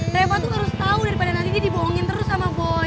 reva tuh harus tau daripada nanti dibohongin terus sama boy